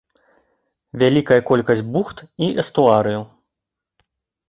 Вялікая колькасць бухт і эстуарыяў.